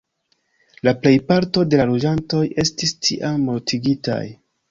La plejparto de la loĝantoj estis tiam mortigitaj.